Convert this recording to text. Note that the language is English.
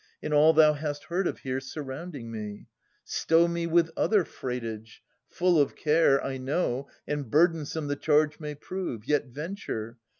In all thou hast heard of here surrounding me ! Stow me with other freightage. Full of care, I know, and burdensome the charge may prove. Yet venture!